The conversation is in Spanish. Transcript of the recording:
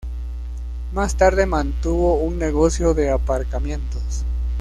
Más tarde mantuvo un negocio de aparcamientos.